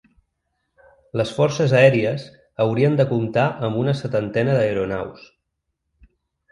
Les forces aèries haurien de comptar amb una setantena d’aeronaus.